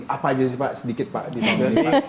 apa aja sih pak sedikit di bawah ini